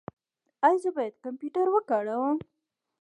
ایا زه باید کمپیوټر وکاروم؟